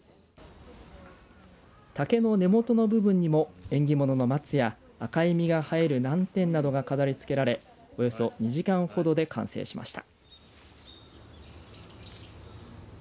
竹の根元の部分にも縁起物の松や赤い実が映える南天などが飾りつけられおよそ２時間ほどで完成しました。